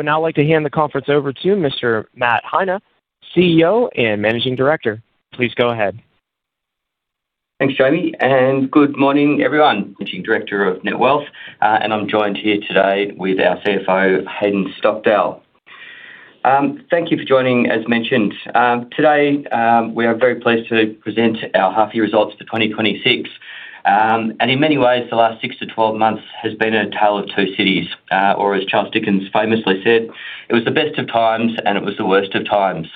I would now like to hand the conference over to Mr. Matt Heine, CEO and Managing Director. Please go ahead. Thanks, Jamie, and good morning, everyone. Managing Director of Netwealth, and I'm joined here today with our CFO, Hayden Stockdale. Thank you for joining, as mentioned. Today, we are very pleased to present our half year results for 2026. And in many ways, the last 6-12 months has been a tale of two cities. Or as Charles Dickens famously said, "It was the best of times, and it was the worst of times."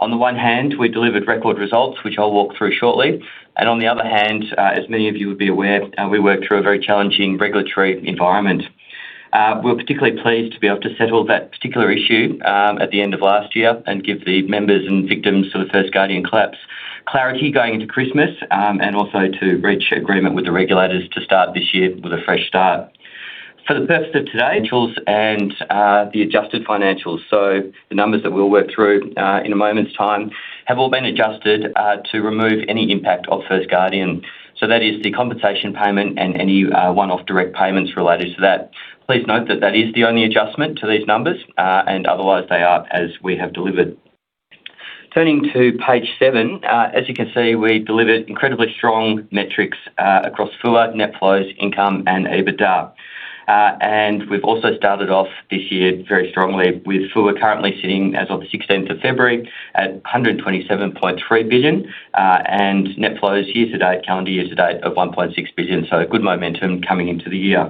On the one hand, we delivered record results, which I'll walk through shortly, and on the other hand, as many of you would be aware, we worked through a very challenging regulatory environment. We're particularly pleased to be able to settle that particular issue at the end of last year and give the members and victims of the First Guardian collapse clarity going into Christmas, and also to reach agreement with the regulators to start this year with a fresh start. For the purpose of today, tools and the adjusted financials. So the numbers that we'll work through in a moment's time have all been adjusted to remove any impact of First Guardian. So that is the compensation payment and any one-off direct payments related to that. Please note that that is the only adjustment to these numbers, and otherwise, they are as we have delivered. Turning to page 7, as you can see, we delivered incredibly strong metrics across FUA, net flows, income, and EBITDA. and we've also started off this year very strongly with FUA currently sitting as of the sixteenth of February at 127.3 billion, and net flows year to date, calendar year to date, of 1.6 billion. So good momentum coming into the year.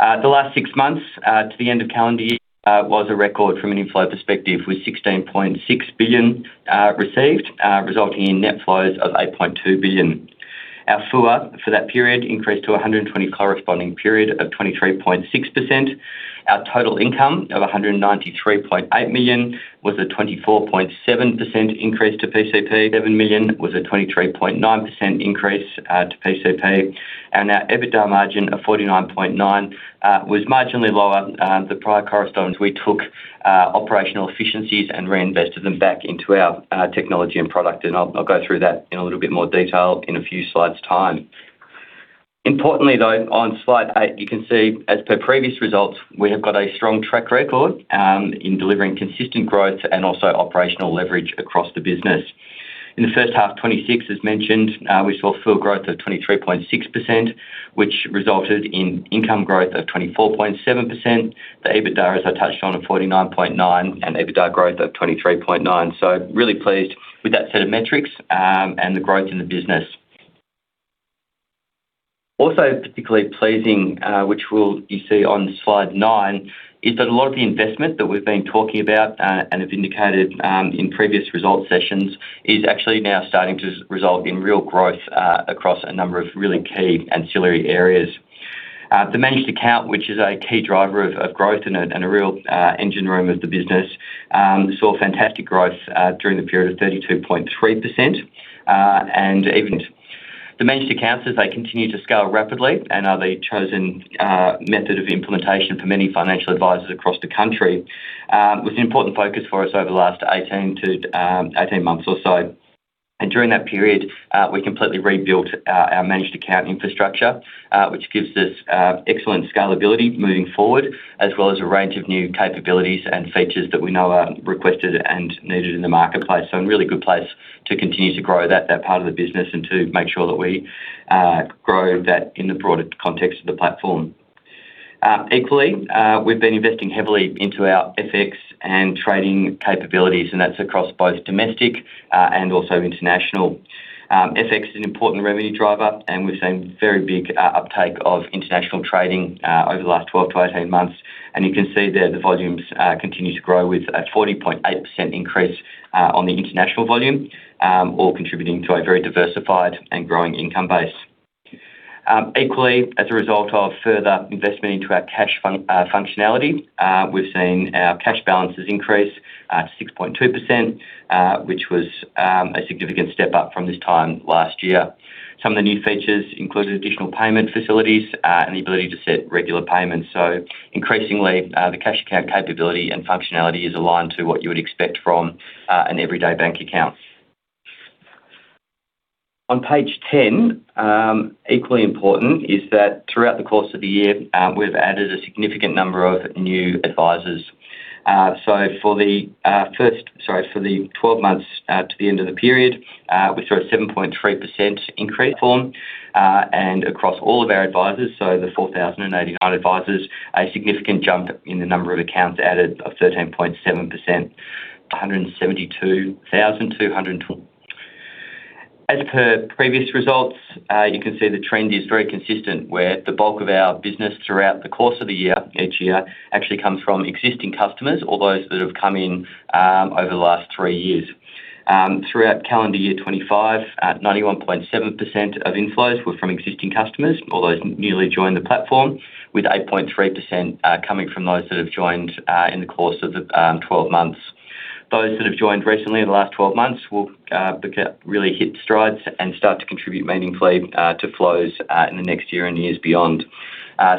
The last six months to the end of calendar year was a record from an inflow perspective, with 16.6 billion received, resulting in net flows of 8.2 billion. Our FUA for that period increased 23.6% to PCP. Our total income of 193.8 million was a 24.7% increase to PCP. 7 million was a 23.9% increase to PCP, and our EBITDA margin of 49.9% was marginally lower than the prior corresponding. We took operational efficiencies and reinvested them back into our technology and product, and I'll, I'll go through that in a little bit more detail in a few slides time. Importantly, though, on slide 8, you can see as per previous results, we have got a strong track record in delivering consistent growth and also operational leverage across the business. In the first half 26, as mentioned, we saw FUA growth of 23.6%, which resulted in income growth of 24.7%. The EBITDA, as I touched on, of 49.9 and EBITDA growth of 23.9. So really pleased with that set of metrics, and the growth in the business. Also, particularly pleasing, which we'll you see on slide 9, is that a lot of the investment that we've been talking about, and have indicated, in previous result sessions, is actually now starting to result in real growth, across a number of really key ancillary areas. The managed account, which is a key driver of, of growth and a, and a real, engine room of the business, saw fantastic growth, during the period of 32.3%, and even the managed accounts, as they continue to scale rapidly and are the chosen, method of implementation for many financial advisors across the country, was an important focus for us over the last eighteen to, eighteen months or so. During that period, we completely rebuilt our managed account infrastructure, which gives us excellent scalability moving forward, as well as a range of new capabilities and features that we know are requested and needed in the marketplace. So a really good place to continue to grow that part of the business and to make sure that we grow that in the broader context of the platform. Equally, we've been investing heavily into our FX and trading capabilities, and that's across both domestic and also international. FX is an important revenue driver, and we've seen very big uptake of international trading over the last 12-18 months. You can see there the volumes continue to grow with a 40.8% increase on the international volume, all contributing to a very diversified and growing income base. Equally, as a result of further investment into our cash fund functionality, we've seen our cash balances increase to 6.2%, which was a significant step up from this time last year. Some of the new features included additional payment facilities and the ability to set regular payments. So increasingly, the cash account capability and functionality is aligned to what you would expect from an everyday bank account. On page ten, equally important is that throughout the course of the year, we've added a significant number of new advisors. So for the 12 months to the end of the period, we saw a 7.3% increase from and across all of our advisors, so the 4,089 advisors, a significant jump in the number of accounts added of 13.7%, 172,200. As per previous results, you can see the trend is very consistent, where the bulk of our business throughout the course of the year, each year, actually comes from existing customers or those that have come in over the last three years. Throughout calendar year 25, 91.7% of inflows were from existing customers or those who newly joined the platform, with 8.3% coming from those that have joined in the course of the twelve months. Those that have joined recently in the last twelve months will be really hit strides and start to contribute meaningfully to flows in the next year and years beyond.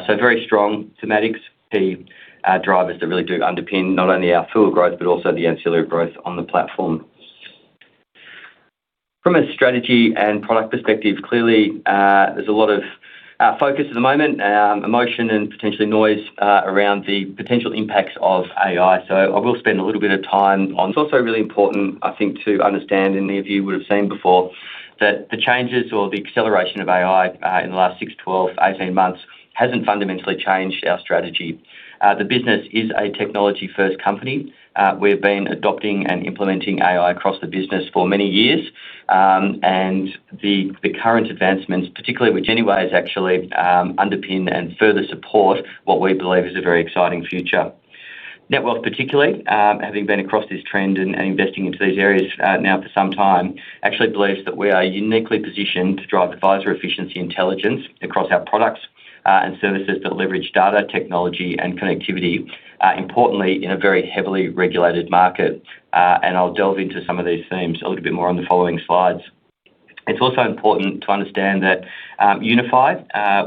So very strong thematics, the drivers that really do underpin not only our FUA growth, but also the ancillary growth on the platform. From a strategy and product perspective, clearly, there's a lot of focus at the moment, emotion, and potentially noise around the potential impacts of AI. So I will spend a little bit of time on. It's also really important, I think, to understand, and many of you would have seen before, that the changes or the acceleration of AI in the last 6, 12, 18 months hasn't fundamentally changed our strategy. The business is a technology-first company. We've been adopting and implementing AI across the business for many years, and the current advancements, particularly, which anyways actually underpin and further support what we believe is a very exciting future. Netwealth, particularly, having been across this trend and investing into these areas now for some time, actually believes that we are uniquely positioned to drive advisor efficiency intelligence across our products and services that leverage data, technology, and connectivity, importantly, in a very heavily regulated market. And I'll delve into some of these themes a little bit more on the following slides. It's also important to understand that Unify,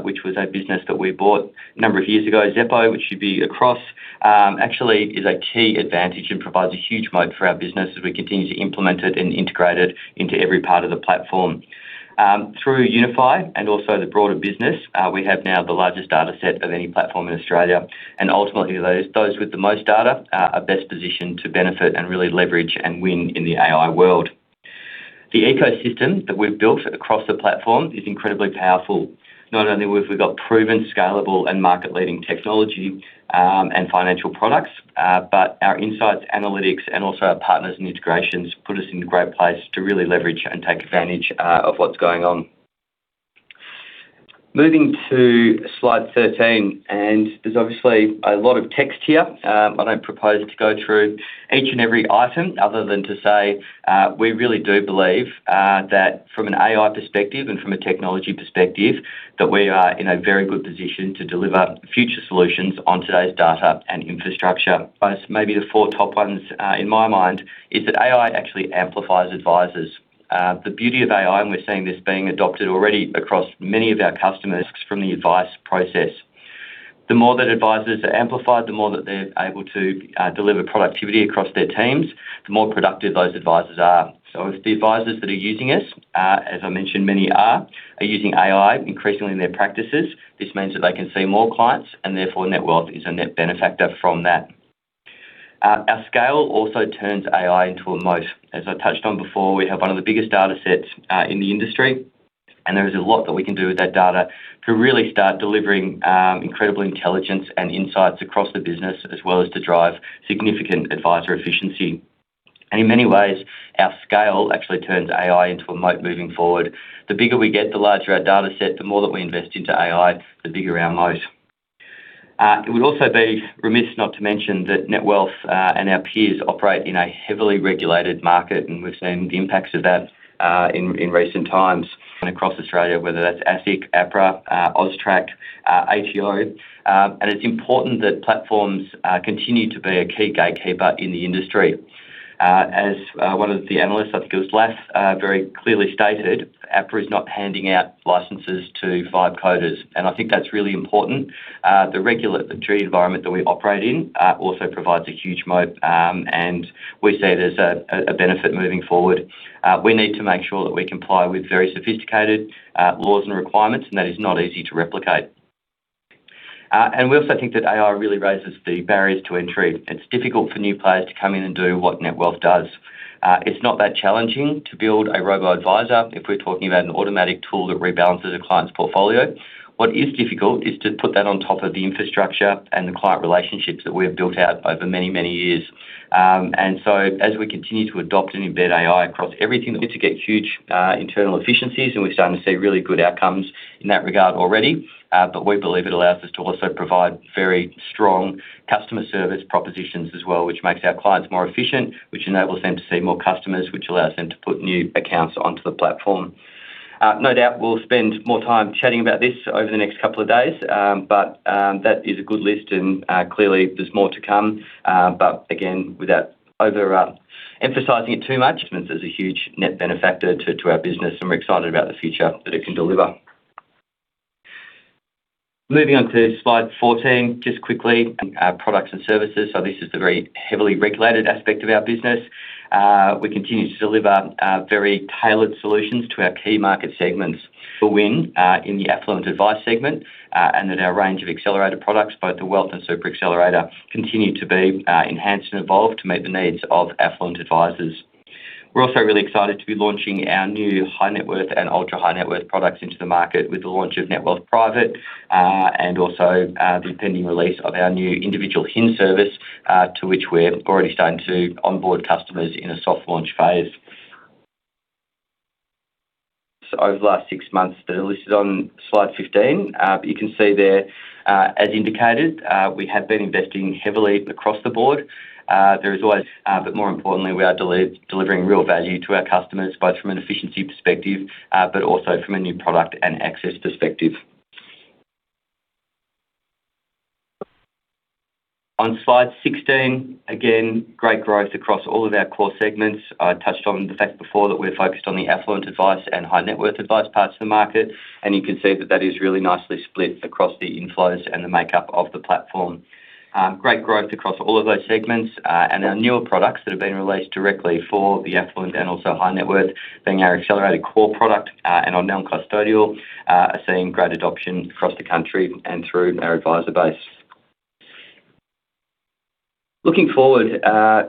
which was a business that we bought a number of years ago, actually is a key advantage and provides a huge moat for our business as we continue to implement it and integrate it into every part of the platform. Through Unify and also the broader business, we have now the largest data set of any platform in Australia, and ultimately, those with the most data are best positioned to benefit and really leverage and win in the AI world. The ecosystem that we've built across the platform is incredibly powerful. Not only we've, we've got proven, scalable, and market-leading technology, and financial products, but our insights, analytics, and also our partners and integrations put us in a great place to really leverage and take advantage, of what's going on. Moving to slide 13, and there's obviously a lot of text here. I don't propose to go through each and every item other than to say, we really do believe, that from an AI perspective and from a technology perspective, that we are in a very good position to deliver future solutions on today's data and infrastructure. But maybe the four top ones, in my mind is that AI actually amplifies advisors. The beauty of AI, and we're seeing this being adopted already across many of our customers from the advice process. The more that advisors are amplified, the more that they're able to, deliver productivity across their teams, the more productive those advisors are. So if the advisors that are using us, as I mentioned, many are, are using AI increasingly in their practices, this means that they can see more clients, and therefore, Netwealth is a net benefactor from that. Our scale also turns AI into a moat. As I touched on before, we have one of the biggest data sets, in the industry, and there is a lot that we can do with that data to really start delivering, incredible intelligence and insights across the business, as well as to drive significant advisor efficiency. And in many ways, our scale actually turns AI into a moat moving forward. The bigger we get, the larger our data set, the more that we invest into AI, the bigger our moat. It would also be remiss not to mention that Netwealth and our peers operate in a heavily regulated market, and we've seen the impacts of that in recent times and across Australia, whether that's ASIC, APRA, AUSTRAC, ATO. And it's important that platforms continue to be a key gatekeeper in the industry. As one of the analysts, I think it was Lat very clearly stated, APRA is not handing out licenses to five coders, and I think that's really important. The regulatory environment that we operate in also provides a huge moat, and we see it as a benefit moving forward. We need to make sure that we comply with very sophisticated laws and requirements, and that is not easy to replicate. We also think that AI really raises the barriers to entry. It's difficult for new players to come in and do what Netwealth does. It's not that challenging to build a robo-advisor if we're talking about an automatic tool that rebalances a client's portfolio. What is difficult is to put that on top of the infrastructure and the client relationships that we have built out over many, many years. So as we continue to adopt and embed AI across everything, we get to get huge internal efficiencies, and we're starting to see really good outcomes in that regard already. But we believe it allows us to also provide very strong customer service propositions as well, which makes our clients more efficient, which enables them to see more customers, which allows them to put new accounts onto the platform. No doubt, we'll spend more time chatting about this over the next couple of days, but that is a good list, and clearly there's more to come. But again, without overemphasizing it too much, there's a huge net benefit to our business, and we're excited about the future that it can deliver. Moving on to slide 14, just quickly, our products and services. So this is the very heavily regulated aspect of our business. We continue to deliver very tailored solutions to our key market segments. To win in the affluent advice segment, and that our range of accelerated products, both the Wealth and Super Accelerator, continue to be enhanced and evolved to meet the needs of affluent advisors. We're also really excited to be launching our new high net worth and ultra-high net worth products into the market with the launch of Netwealth Private, and also the pending release of our new individual HIN service, to which we're already starting to onboard customers in a soft launch phase. So over the last six months, they're listed on slide 15. But you can see there, as indicated, we have been investing heavily across the board. But more importantly, we are delivering real value to our customers, both from an efficiency perspective, but also from a new product and access perspective. On slide 16, again, great growth across all of our core segments. I touched on the fact before that we're focused on the affluent advice and high net worth advice parts of the market, and you can see that that is really nicely split across the inflows and the makeup of the platform. Great growth across all of those segments, and our newer products that have been released directly for the affluent and also high net worth, being our accelerated core product, and on non-custodial, are seeing great adoption across the country and through our advisor base. Looking forward,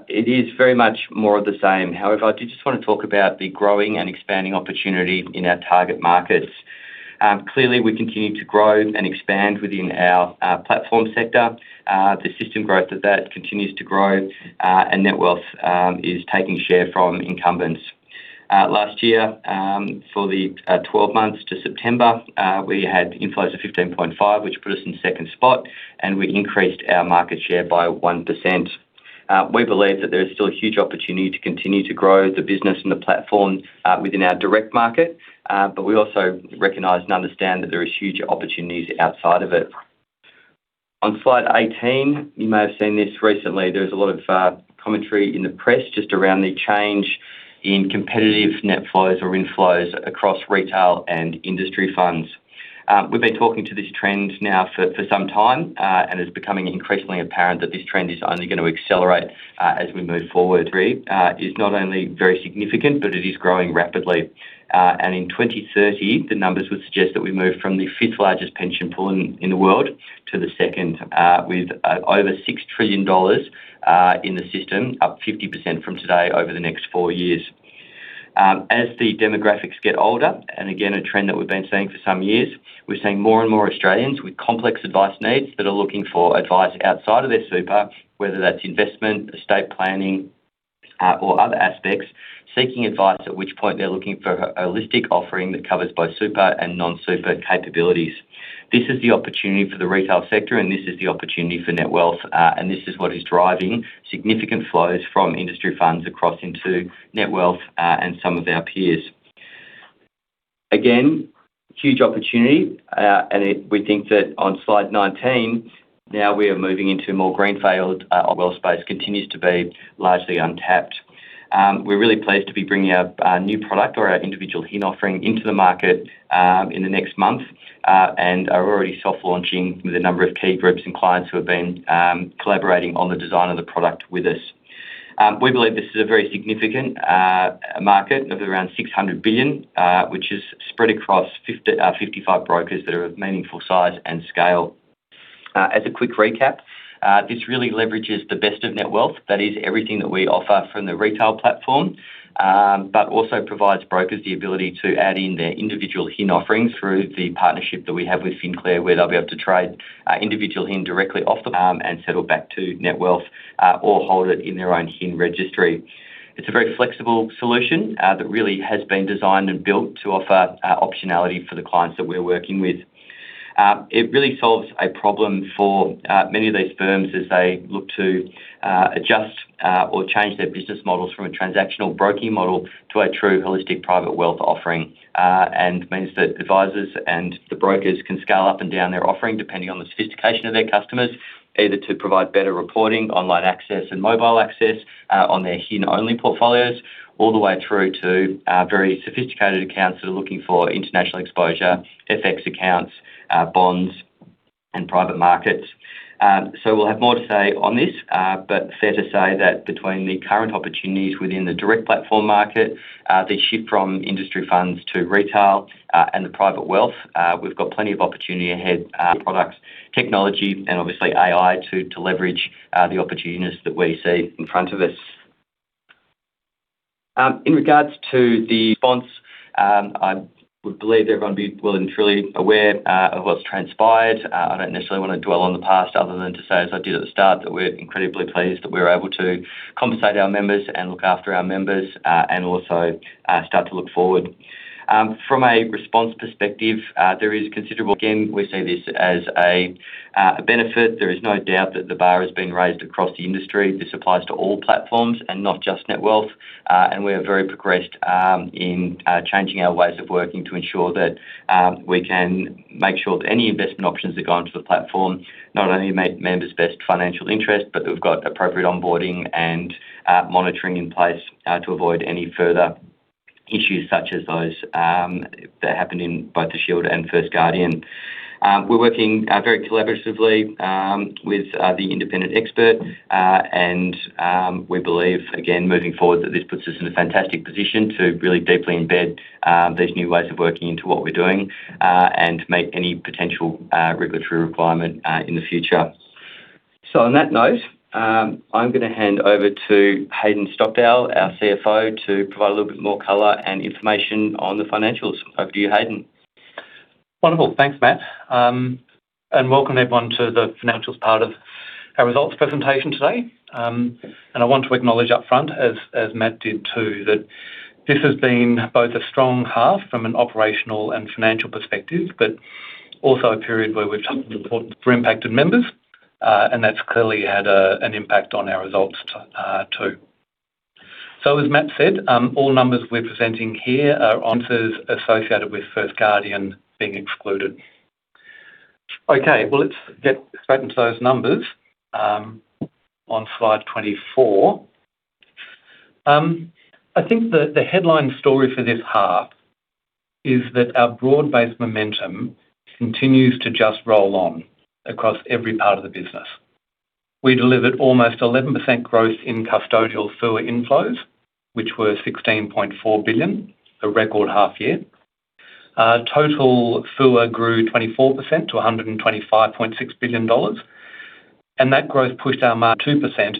it is very much more of the same. However, I did just want to talk about the growing and expanding opportunity in our target markets. Clearly, we continue to grow and expand within our platform sector. The system growth of that continues to grow, and Netwealth is taking share from incumbents. Last year, for the 12 months to September, we had inflows of 15.5, which put us in second spot, and we increased our market share by 1%. We believe that there is still a huge opportunity to continue to grow the business and the platform within our direct market, but we also recognize and understand that there are huge opportunities outside of it. On slide 18, you may have seen this recently. There's a lot of commentary in the press just around the change in competitive net flows or inflows across retail and industry funds. We've been talking to this trend now for, for some time, and it's becoming increasingly apparent that this trend is only going to accelerate, as we move forward. Three is not only very significant, but it is growing rapidly. And in 2030, the numbers would suggest that we move from the fifth largest pension pool in, in the world to the second, with over 6 trillion dollars in the system, up 50% from today over the next four years. As the demographics get older, and again, a trend that we've been seeing for some years, we're seeing more and more Australians with complex advice needs that are looking for advice outside of their super, whether that's investment, estate planning, or other aspects, seeking advice, at which point they're looking for a holistic offering that covers both super and non-super capabilities. This is the opportunity for the retail sector, and this is the opportunity for Netwealth, and this is what is driving significant flows from industry funds across into Netwealth, and some of our peers. Again, huge opportunity, and we think that on slide 19, now we are moving into a more greenfield, oil space, continues to be largely untapped. We're really pleased to be bringing our new product or our individual HIN offering into the market in the next month and are already soft launching with a number of key groups and clients who have been collaborating on the design of the product with us. We believe this is a very significant market of around 600 billion which is spread across 55 brokers that are of meaningful size and scale. As a quick recap, this really leverages the best of Netwealth. That is everything that we offer from the retail platform, but also provides brokers the ability to add in their individual HIN offerings through the partnership that we have with FinClear, where they'll be able to trade individual HIN directly off the arm and settle back to Netwealth, or hold it in their own HIN registry. It's a very flexible solution that really has been designed and built to offer optionality for the clients that we're working with. It really solves a problem for many of these firms as they look to adjust or change their business models from a transactional broking model to a true holistic private wealth offering. And means that advisors and the brokers can scale up and down their offering, depending on the sophistication of their customers, either to provide better reporting, online access, and mobile access, on their HIN-only portfolios, all the way through to very sophisticated accounts that are looking for international exposure, FX accounts, bonds, and private markets. So we'll have more to say on this, but fair to say that between the current opportunities within the direct platform market, the shift from industry funds to retail, and the private wealth, we've got plenty of opportunity ahead, products, technology, and obviously AI, to, to leverage, the opportunities that we see in front of us. In regards to the response, I would believe everyone would be well and truly aware, of what's transpired. I don't necessarily want to dwell on the past other than to say, as I did at the start, that we're incredibly pleased that we're able to compensate our members and look after our members, and also, start to look forward. From a response perspective, there is considerable. Again, we see this as a benefit. There is no doubt that the bar has been raised across the industry. This applies to all platforms and not just Netwealth. We are very progressed in changing our ways of working to ensure that we can make sure that any investment options that go onto the platform not only meet members' best financial interest, but we've got appropriate onboarding and monitoring in place to avoid any further issues such as those that happened in both the Shield and First Guardian. We're working very collaboratively with the independent expert and we believe, again, moving forward, that this puts us in a fantastic position to really deeply embed these new ways of working into what we're doing and meet any potential regulatory requirement in the future. So on that note, I'm gonna hand over to Hayden Stockdale, our CFO, to provide a little bit more color and information on the financials. Over to you, Hayden. Wonderful. Thanks, Matt. And welcome everyone to the financials part of our results presentation today. And I want to acknowledge up front, as Matt did too, that this has been both a strong half from an operational and financial perspective, but also a period where we've talked important for impacted members, and that's clearly had an impact on our results, too. So as Matt said, all numbers we're presenting here are and so associated with First Guardian being excluded. Okay, well, let's get straight into those numbers, on slide 24. I think the headline story for this half is that our broad-based momentum continues to just roll on across every part of the business. We delivered almost 11% growth in custodial FUA inflows, which were 16.4 billion, a record half year. Total FUA grew 24% to AUD 125.6 billion, and that growth pushed our market share 2%,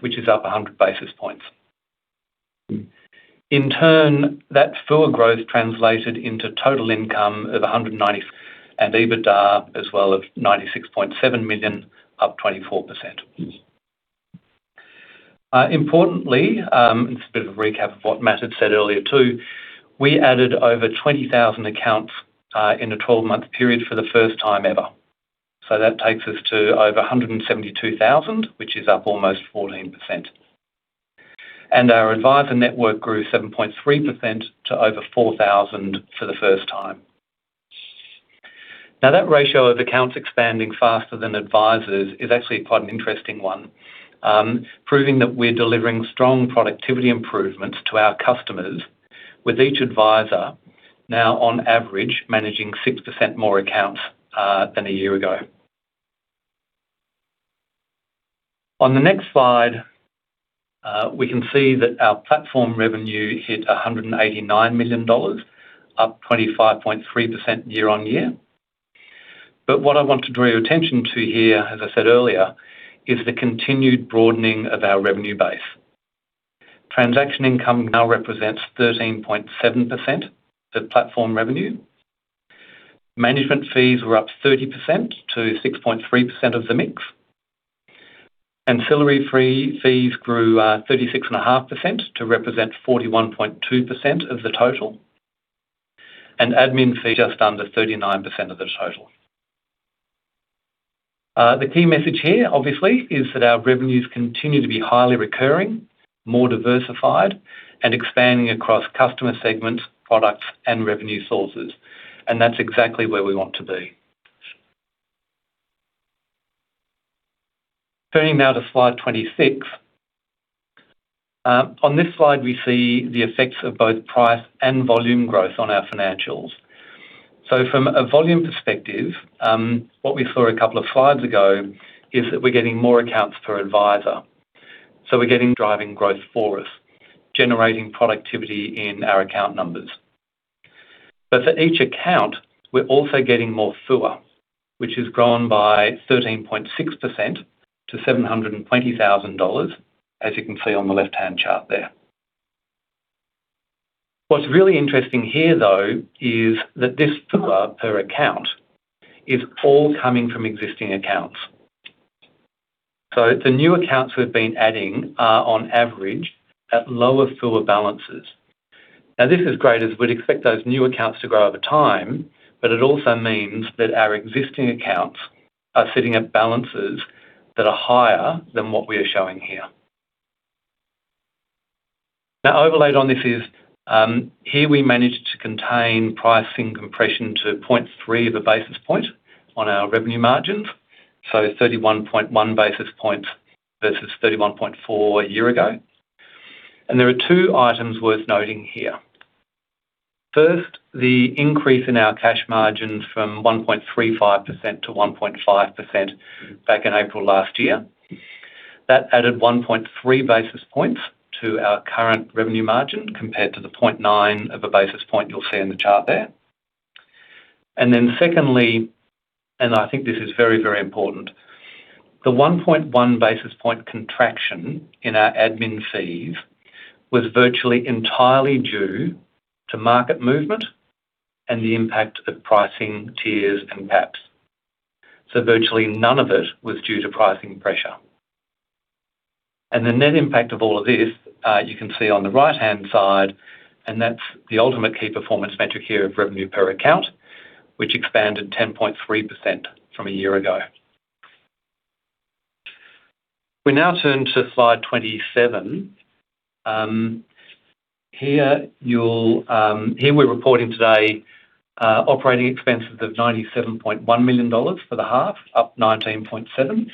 which is up 100 basis points. In turn, that FUA growth translated into total income of 190 million, and EBITDA as well of 96.7 million, up 24%. Importantly, it's a bit of a recap of what Matt had said earlier, too. We added over 20,000 accounts in a 12-month period for the first time ever. So that takes us to over 172,000, which is up almost 14%. And our advisor network grew 7.3% to over 4,000 for the first time. Now, that ratio of accounts expanding faster than advisors is actually quite an interesting one, proving that we're delivering strong productivity improvements to our customers, with each advisor now, on average, managing 6% more accounts than a year ago. On the next slide, we can see that our platform revenue hit 189 million dollars, up 25.3% year-on-year. But what I want to draw your attention to here, as I said earlier, is the continued broadening of our revenue base. Transaction income now represents 13.7% of platform revenue. Management fees were up 30% to 6.3% of the mix. Ancillary fees grew 36.5% to represent 41.2% of the total, and admin fee just under 39% of the total. The key message here, obviously, is that our revenues continue to be highly recurring, more diversified, and expanding across customer segments, products, and revenue sources, and that's exactly where we want to be. Turning now to slide 26. On this slide, we see the effects of both price and volume growth on our financials. So from a volume perspective, what we saw a couple of slides ago is that we're getting more accounts per advisor. So we're getting driving growth for us, generating productivity in our account numbers. But for each account, we're also getting more FUA, which has grown by 13.6% to 720,000 dollars, as you can see on the left-hand chart there. What's really interesting here, though, is that this FUA per account is all coming from existing accounts. So the new accounts we've been adding are, on average, at lower FUA balances. Now, this is great, as we'd expect those new accounts to grow over time, but it also means that our existing accounts are sitting at balances that are higher than what we are showing here. Now, overlaid on this is, here we managed to contain pricing compression to 0.3 of a basis point on our revenue margins, so 31.1 basis points versus 31.4 a year ago. And there are two items worth noting here. First, the increase in our cash margins from 1.35% to 1.5% back in April last year. That added 1.3 basis points to our current revenue margin compared to the 0.9 of a basis point you'll see in the chart there. And then secondly, and I think this is very, very important, the 1.1 basis point contraction in our admin fees was virtually entirely due to market movement and the impact of pricing tiers and gaps. So virtually none of it was due to pricing pressure. And the net impact of all of this, you can see on the right-hand side, and that's the ultimate key performance metric here of revenue per account, which expanded 10.3% from a year ago. We now turn to slide 27. Here we're reporting today, operating expenses of 97.1 million dollars for the half, up 19.7%,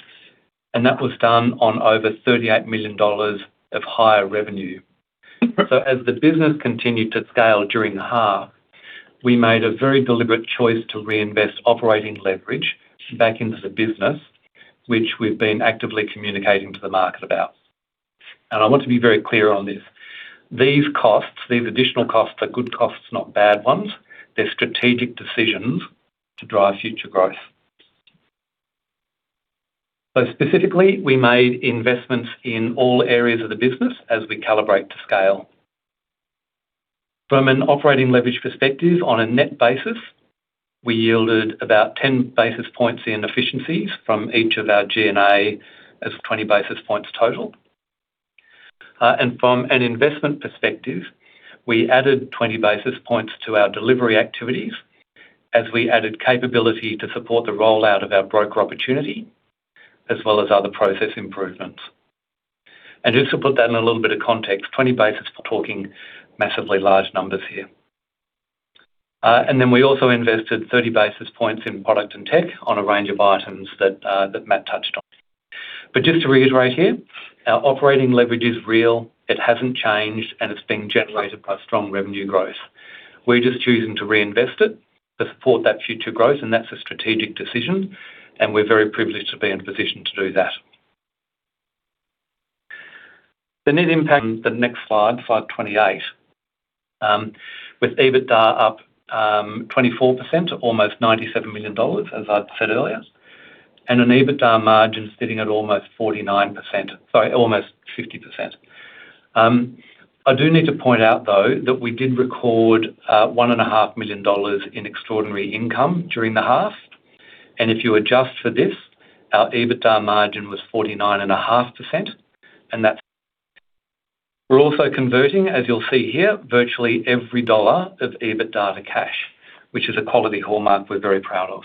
and that was done on over 38 million dollars of higher revenue. So as the business continued to scale during the half, we made a very deliberate choice to reinvest operating leverage back into the business, which we've been actively communicating to the market about. And I want to be very clear on this: These costs, these additional costs, are good costs, not bad ones. They're strategic decisions to drive future growth. So specifically, we made investments in all areas of the business as we calibrate to scale. From an operating leverage perspective, on a net basis, we yielded about 10 basis points in efficiencies from each of our G&A as 20 basis points total. And from an investment perspective, we added 20 basis points to our delivery activities as we added capability to support the rollout of our broker opportunity, as well as other process improvements. And just to put that in a little bit of context, 20 basis, we're talking massively large numbers here. And then we also invested 30 basis points in product and tech on a range of items that, that Matt touched on. But just to reiterate here, our operating leverage is real, it hasn't changed, and it's being generated by strong revenue growth. We're just choosing to reinvest it to support that future growth, and that's a strategic decision, and we're very privileged to be in a position to do that. The net impact on the next slide, slide 28, with EBITDA up 24% to almost 97 million dollars, as I've said earlier, and an EBITDA margin sitting at almost 49%, sorry, almost 50%. I do need to point out, though, that we did record one and a half million dollars in extraordinary income during the half. And if you adjust for this, our EBITDA margin was 49.5%, and that's. We're also converting, as you'll see here, virtually every dollar of EBITDA to cash, which is a quality hallmark we're very proud of.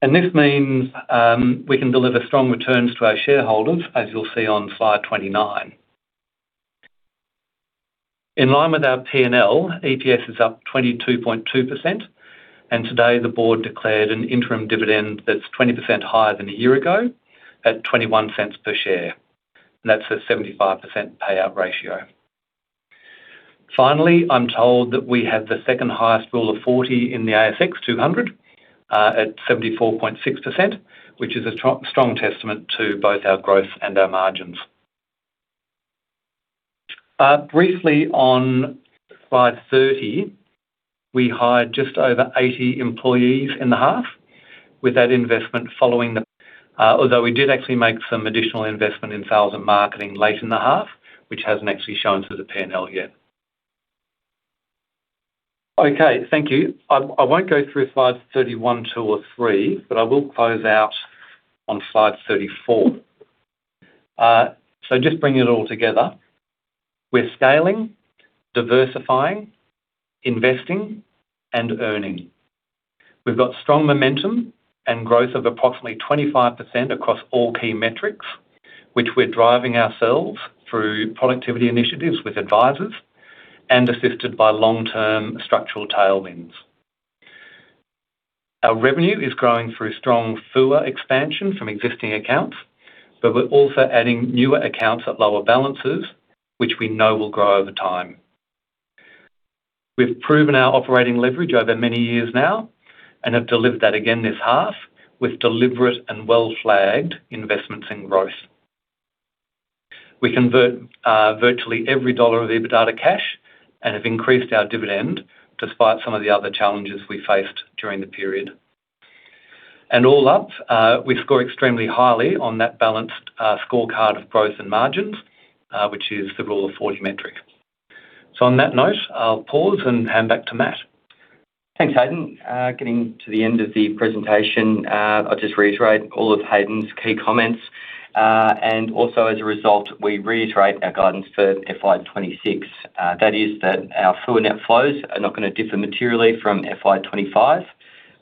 And this means we can deliver strong returns to our shareholders, as you'll see on slide 29. In line with our P&L, EPS is up 22.2%, and today the board declared an interim dividend that's 20% higher than a year ago, at 21 cents per share. And that's a 75% payout ratio. Finally, I'm told that we have the second highest Rule of Forty in the ASX 200, at 74.6%, which is a strong testament to both our growth and our margins. Briefly on slide 30, we hired just over 80 employees in the half, with that investment following the, although we did actually make some additional investment in sales and marketing late in the half, which hasn't actually shown through the P&L yet. Okay, thank you. I won't go through slides 31, 32, or 33, but I will close out on slide 34. So just bringing it all together, we're scaling, diversifying, investing, and earning. We've got strong momentum and growth of approximately 25% across all key metrics, which we're driving ourselves through productivity initiatives with advisors and assisted by long-term structural tailwinds. Our revenue is growing through strong FUA expansion from existing accounts, but we're also adding newer accounts at lower balances, which we know will grow over time. We've proven our operating leverage over many years now and have delivered that again this half, with deliberate and well-flagged investments in growth. We convert virtually every dollar of EBITDA to cash and have increased our dividend despite some of the other challenges we faced during the period. And all up, we score extremely highly on that balanced scorecard of growth and margins, which is the Rule of 40 metric. So on that note, I'll pause and hand back to Matt. Thanks, Hayden. Getting to the end of the presentation, I'll just reiterate all of Hayden's key comments. And also, as a result, we reiterate our guidance for FY 2026. That is that our FUA net flows are not gonna differ materially from FY 2025,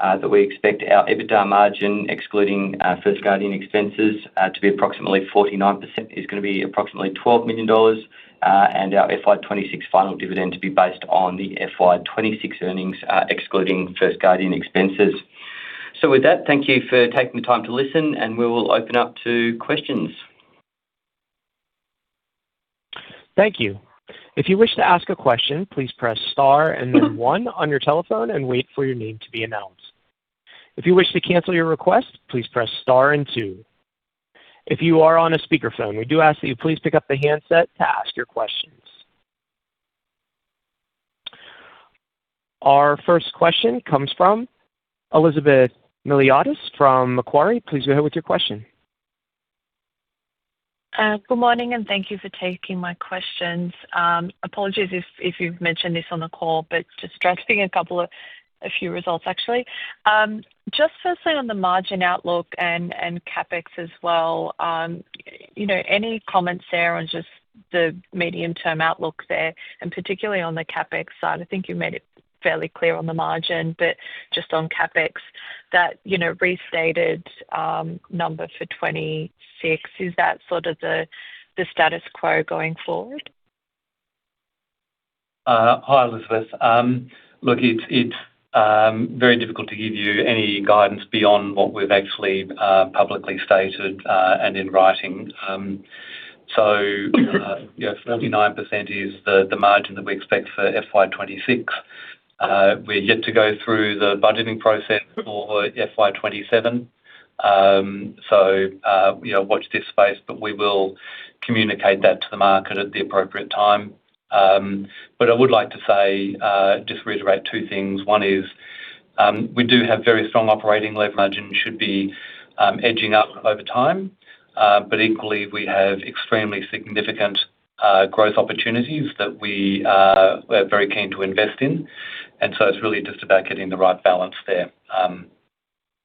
but we expect our EBITDA margin, excluding First Guardian expenses, to be approximately 49%, is gonna be approximately 12 million dollars, and our FY 2026 final dividend to be based on the FY 2026 earnings, excluding First Guardian expenses. With that, thank you for taking the time to listen, and we will open up to questions. Thank you. If you wish to ask a question, please press star and then one on your telephone and wait for your name to be announced. If you wish to cancel your request, please press star and two. If you are on a speakerphone, we do ask that you please pick up the handset to ask your questions. Our first question comes from Elizabeth Miliatis from Macquarie. Please go ahead with your question. Good morning, and thank you for taking my questions. Apologies if you've mentioned this on the call, but just stressing a few results, actually. Just firstly on the margin outlook and CapEx as well, you know, any comments there on just the medium-term outlook there, and particularly on the CapEx side? I think you made it fairly clear on the margin, but just on CapEx, that, you know, restated number for 2026, is that sort of the status quo going forward? Hi, Elizabeth. Look, it's very difficult to give you any guidance beyond what we've actually publicly stated and in writing. So, yeah, 49% is the margin that we expect for FY 2026. We're yet to go through the budgeting process for FY 2027. So, you know, watch this space, but we will communicate that to the market at the appropriate time. But I would like to say just to reiterate two things. One is, we do have very strong operating leverage margin should be edging up over time, but equally, we have extremely significant growth opportunities that we are very keen to invest in. And so it's really just about getting the right balance there.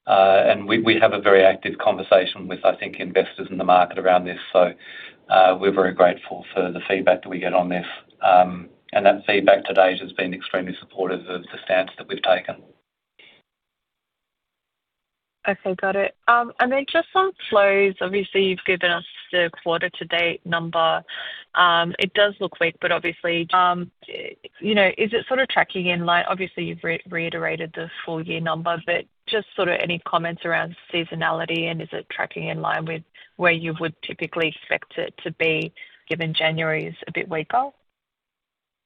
We have a very active conversation with, I think, investors in the market around this, so we're very grateful for the feedback that we get on this. That feedback to date has been extremely supportive of the stance that we've taken. Okay, got it. And then just on flows, obviously, you've given us the quarter to date number. It does look weak, but obviously, you know, is it sort of tracking in line? Obviously, you've reiterated the full year number, but just sort of any comments around seasonality, and is it tracking in line with where you would typically expect it to be, given January is a bit weaker?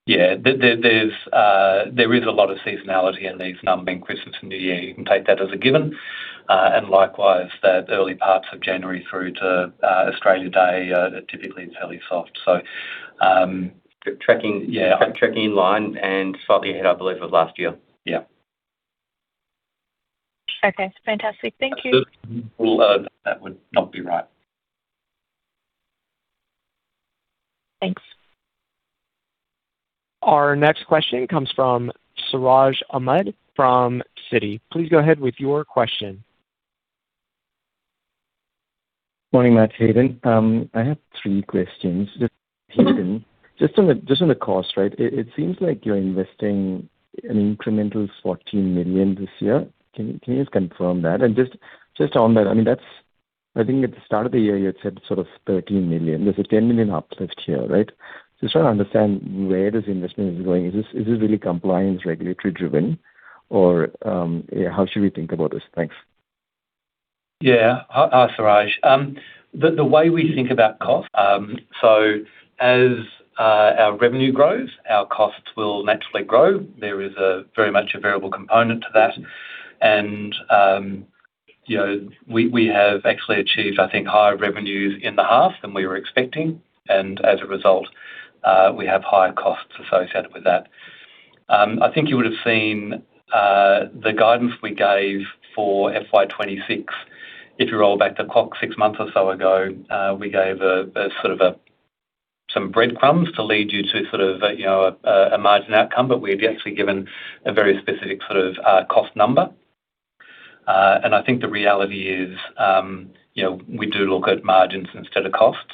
Yeah. There is a lot of seasonality in these numbers being Christmas and New Year. You can take that as a given. And likewise, the early parts of January through to Australia Day are typically fairly soft. So, T-tracking- Yeah. Tracking in line and slightly ahead, I believe, of last year. Yeah. Okay, fantastic. Thank you. Well, that would not be right. Thanks. Our next question comes from Siraj Ahmed from Citi. Please go ahead with your question. Morning, Matt, Hayden. I have three questions. Just, Hayden, just on the cost, right? It seems like you're investing an incremental 14 million this year. Can you just confirm that? And just on that, I mean, that's. I think at the start of the year, you had said sort of 13 million. There's a 10 million uplift here, right? Just trying to understand where this investment is going. Is this really compliance regulatory driven, or how should we think about this? Thanks. Yeah. Hi, hi, Siraj. The way we think about cost, so as our revenue grows, our costs will naturally grow. There is a very much a variable component to that. And, you know, we have actually achieved, I think, higher revenues in the half than we were expecting, and as a result, we have higher costs associated with that. I think you would have seen the guidance we gave for FY 2026. If you roll back the clock six months or so ago, we gave a sort of some breadcrumbs to lead you to sort of, you know, a margin outcome, but we've actually given a very specific sort of cost number. And I think the reality is, you know, we do look at margins instead of costs.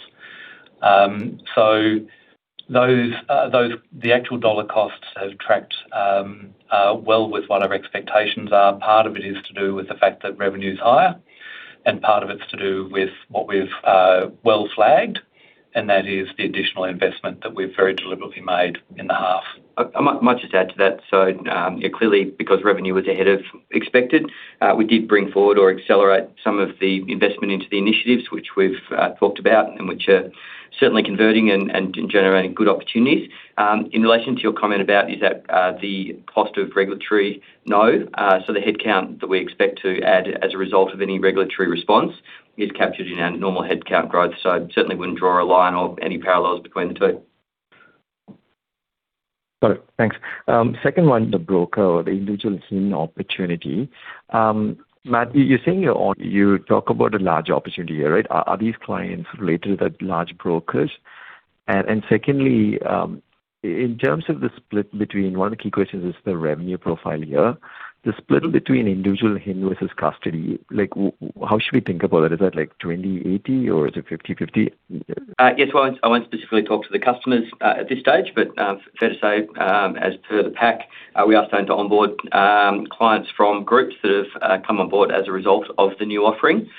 So the actual dollar costs have tracked well with what our expectations are. Part of it is to do with the fact that revenue is higher, and part of it's to do with what we've well flagged, and that is the additional investment that we've very deliberately made in the half. I might just add to that. So, yeah, clearly, because revenue was ahead of expected, we did bring forward or accelerate some of the investment into the initiatives which we've talked about and which are certainly converting and generating good opportunities. In relation to your comment about, is that the cost of regulatory? No. So the headcount that we expect to add as a result of any regulatory response is captured in our normal headcount growth. So certainly wouldn't draw a line or any parallels between the two. Got it. Thanks. Second one, the broker or the individual HIN opportunity. Matt, you're saying you talk about a large opportunity here, right? Are these clients related to the large brokers? And secondly, in terms of the split between, one of the key questions is the revenue profile here, the split between individual HIN versus custody, like, how should we think about that? Is that like 20, 80, or is it 50/50? Yes, well, I won't specifically talk to the customers at this stage, but fair to say, as per the pack, we are starting to onboard clients from groups that have come on board as a result of the new offering.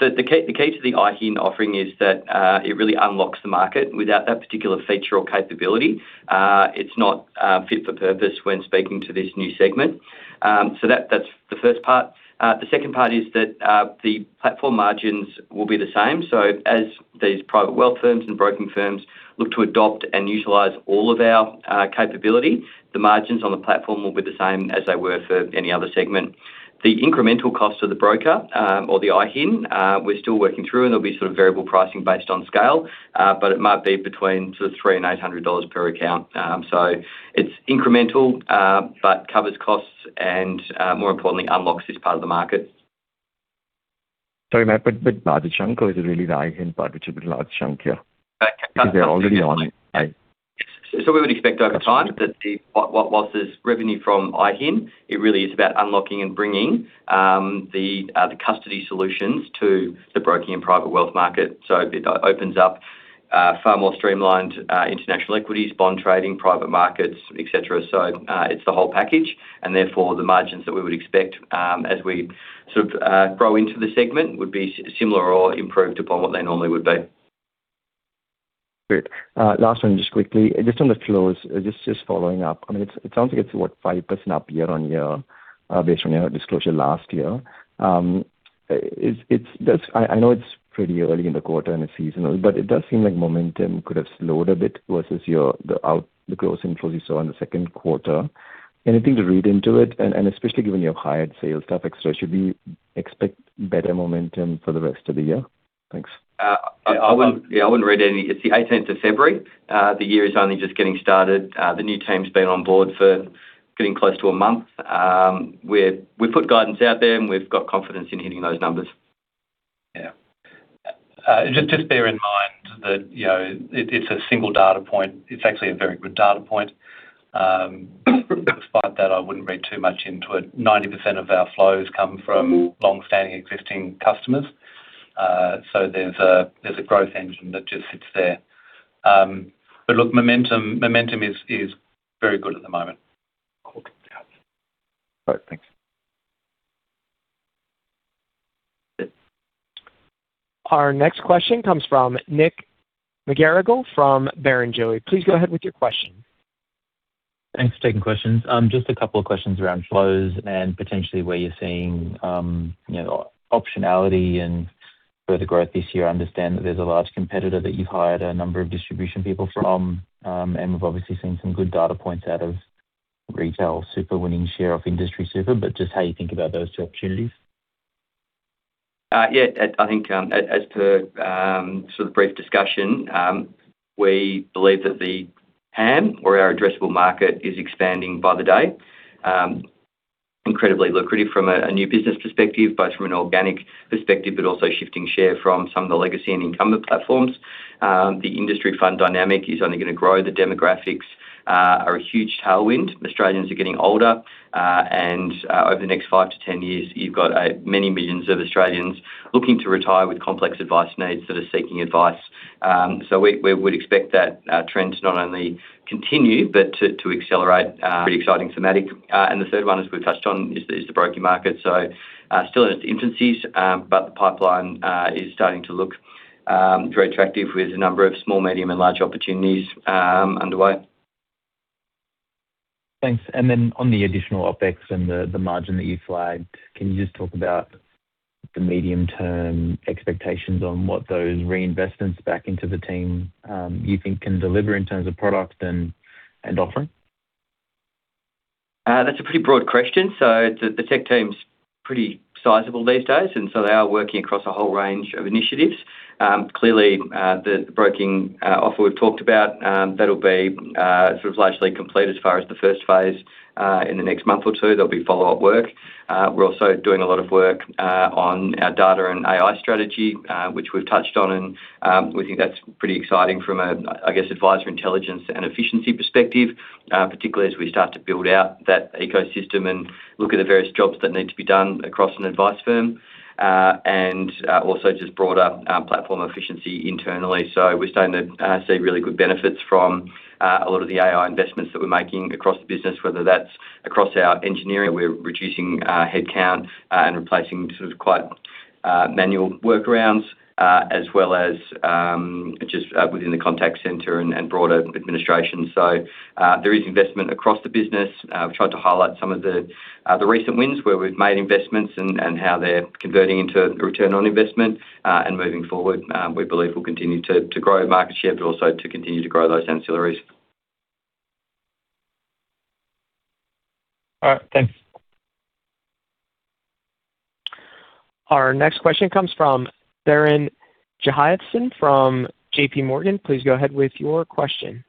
The key to the IHIN offering is that it really unlocks the market. Without that particular feature or capability, it's not fit for purpose when speaking to this new segment. So that, that's the first part. The second part is that the platform margins will be the same. So as these private wealth firms and broking firms look to adopt and utilize all of our capability, the margins on the platform will be the same as they were for any other segment. The incremental cost to the broker, or the IHIN, we're still working through, and there'll be sort of variable pricing based on scale, but it might be between sort of 300-800 dollars per account. So it's incremental, but covers costs and, more importantly, unlocks this part of the market. Sorry, Matt, but larger chunk, or is it really the IHIN part, which is the large chunk here? Because they're already on it. So we would expect over time that whilst there's revenue from IHIN, it really is about unlocking and bringing the custody solutions to the broking and private wealth market. So it opens up far more streamlined international equities, bond trading, private markets, et cetera. So it's the whole package, and therefore, the margins that we would expect as we sort of grow into the segment, would be similar or improved upon what they normally would be. Great. Last one, just quickly. Just on the flows, following up. I mean, it sounds like it's what, 5% up year-on-year, based on your disclosure last year. It's that I know it's pretty early in the quarter and it's seasonal, but it does seem like momentum could have slowed a bit versus the outturn, the growth in flows you saw in the second quarter. Anything to read into it, and especially given you have hired extra sales staff, should we expect better momentum for the rest of the year? Thanks. I wouldn't, yeah, I wouldn't read any. It's the eighteenth of February. The year is only just getting started. The new team's been on board for getting close to a month. We've put guidance out there, and we've got confidence in hitting those numbers. Yeah. Just, just bear in mind that, you know, it, it's a single data point. It's actually a very good data point. Despite that, I wouldn't read too much into it. 90% of our flows come from long-standing existing customers. So there's a growth engine that just sits there. But look, momentum is, is- very good at the moment. Cool. Yeah. All right, thanks. Our next question comes from Nick McGarrigal from Barrenjoey. Please go ahead with your question. Thanks for taking questions. Just a couple of questions around flows and potentially where you're seeing, you know, optionality and further growth this year. I understand that there's a large competitor that you've hired a number of distribution people from, and we've obviously seen some good data points out of retail, super winning share of industry super, but just how you think about those two opportunities? Yeah, I think, as per sort of brief discussion, we believe that the PAM or our addressable market is expanding by the day, incredibly lucrative from a new business perspective, both from an organic perspective, but also shifting share from some of the legacy and incumbent platforms. The industry fund dynamic is only gonna grow. The demographics are a huge tailwind. Australians are getting older, and over the next five to 10 years, you've got many millions of Australians looking to retire with complex advice needs that are seeking advice. So we would expect that trend to not only continue, but to accelerate, pretty exciting thematic. And the third one, as we've touched on, is the broking market. Still in its infancy, but the pipeline is starting to look very attractive with a number of small, medium, and large opportunities underway. Thanks. And then on the additional OpEx and the margin that you flagged, can you just talk about the medium-term expectations on what those reinvestments back into the team you think can deliver in terms of product and offering? That's a pretty broad question. So the, the tech team's pretty sizable these days, and so they are working across a whole range of initiatives. Clearly, the broking, offer we've talked about, that'll be, sort of largely complete as far as the first phase, in the next month or two. There'll be follow-up work. We're also doing a lot of work, on our data and AI strategy, which we've touched on, and, we think that's pretty exciting from a, I guess, advisor intelligence and efficiency perspective, particularly as we start to build out that ecosystem and look at the various jobs that need to be done across an advice firm, and, also just broader, platform efficiency internally. So we're starting to see really good benefits from a lot of the AI investments that we're making across the business, whether that's across our engineering. We're reducing headcount and replacing sort of quite manual workarounds as well as just within the contact center and broader administration. So there is investment across the business. We've tried to highlight some of the the recent wins, where we've made investments and how they're converting into return on investment and moving forward, we believe we'll continue to grow market share, but also to continue to grow those ancillaries. All right, thanks. Our next question comes from Tharan Jeyathasan from JPMorgan. Please go ahead with your question.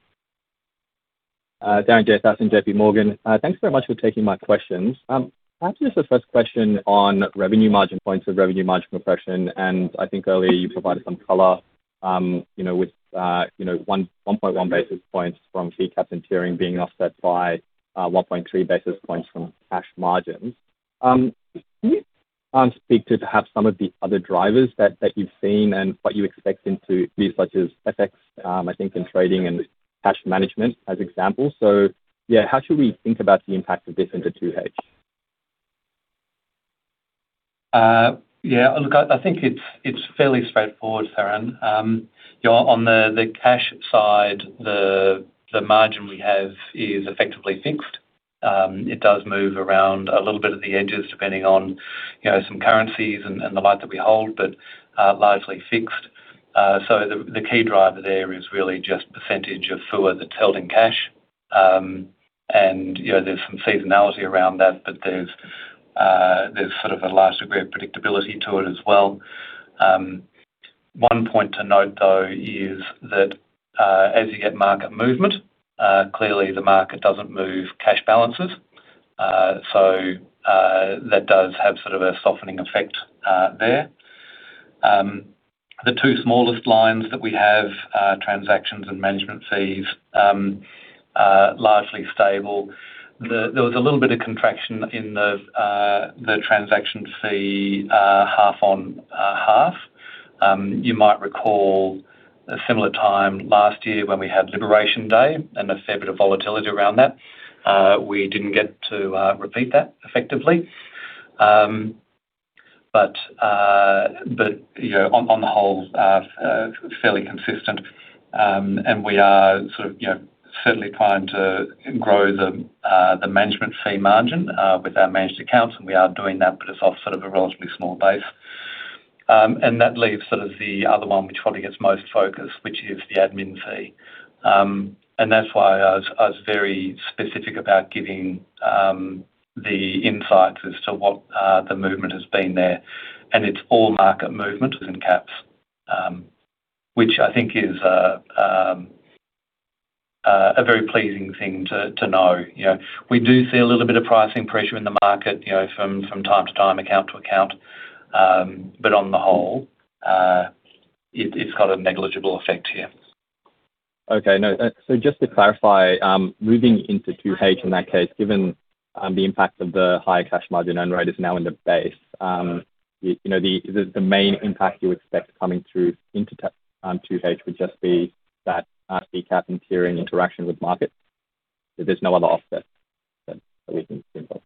Tharan Jeyathasan, JPMorgan. Thanks very much for taking my questions. Actually, just the first question on revenue margin points or revenue margin compression, and I think earlier you provided some color, you know, with, you know, 1.1 basis points from fee caps and tiering being offset by 1.3 basis points from cash margins. Can you speak to perhaps some of the other drivers that you've seen and what you're expecting to be, such as FX, I think in trading and cash management, as examples? So yeah, how should we think about the impact of this into 2H? Yeah, look, I think it's fairly straightforward, Tharan. You know, on the cash side, the margin we have is effectively fixed. It does move around a little bit at the edges, depending on, you know, some currencies and the like that we hold, but largely fixed. So the key driver there is really just percentage of FUA that's held in cash. And, you know, there's some seasonality around that, but there's a large degree of predictability to it as well. One point to note, though, is that as you get market movement, clearly the market doesn't move cash balances. So that does have sort of a softening effect there. The two smallest lines that we have are transactions and management fees, are largely stable. There was a little bit of contraction in the transaction fee, half on half. You might recall a similar time last year when we had Liberation Day and a fair bit of volatility around that. We didn't get to repeat that effectively. But, but, you know, on the whole, fairly consistent, and we are sort of, you know, certainly trying to grow the management fee margin with our managed accounts, and we are doing that, but it's off sort of a relatively small base. And that leaves sort of the other one, which probably gets most focus, which is the admin fee. And that's why I was, I was very specific about giving the insights as to what the movement has been there. It's all market movement within caps, which I think is a very pleasing thing to know. You know, we do see a little bit of pricing pressure in the market, you know, from time to time, account to account, but on the whole, it's got a negligible effect here. Okay, now, so just to clarify, moving into 2H, in that case, the impact of the higher cash margin earn rate is now in the base. You know, the main impact you expect coming through into the 2H would just be that cap and tiering interaction with market. There's no other offset that we can think of.